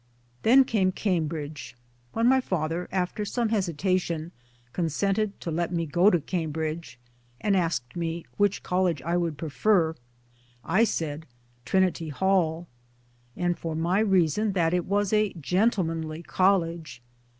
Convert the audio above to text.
Then came Cambridge. When my father after some hesitation consented to let me go to Cambridge, and asked me which College I would prefer, I said * Trinity Hall," and for my reason that it was a gentlemanly college.